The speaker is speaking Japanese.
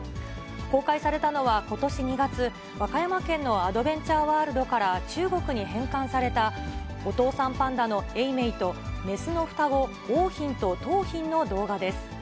公開されたのはことし２月、和歌山県のアドベンチャーワールドから中国に返還された、お父さんパンダの永明と雌の双子、桜浜と桃浜の動画です。